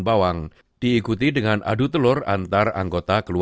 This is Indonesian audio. jadi jika kedua sisi telur anda terkacau